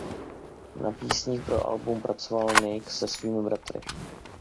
Na písních pro album pracoval Nick se svými bratry.